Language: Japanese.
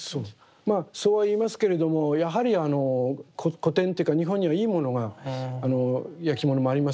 まあそうは言いますけれどもやはり古典というか日本にはいいものがやきものもあります